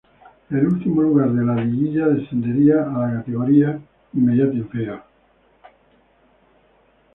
El último lugar de la liguilla, descendería a la categoría inmediata inferior.